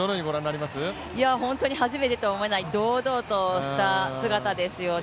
本当に初めてとは思えない堂々とした姿ですよね。